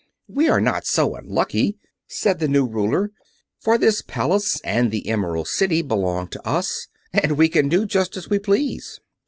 "We are not so unlucky," said the new ruler, "for this Palace and the Emerald City belong to us, and we can do just as we please.